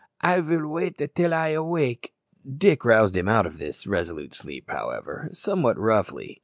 I vill wait till I am wake." Dick roused him out of this, resolute sleep, however, somewhat roughly.